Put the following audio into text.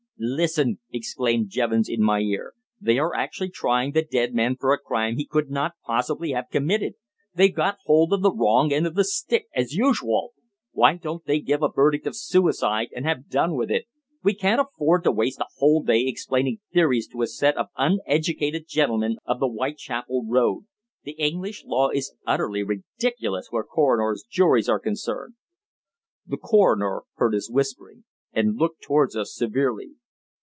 "Listen!" exclaimed Jevons in my ear. "They are actually trying the dead man for a crime he could not possibly have committed! They've got hold of the wrong end of the stick, as usual. Why don't they give a verdict of suicide and have done with it. We can't afford to waste a whole day explaining theories to a set of uneducated gentlemen of the Whitechapel Road. The English law is utterly ridiculous where coroners' juries are concerned." The coroner heard his whispering, and looked towards us severely.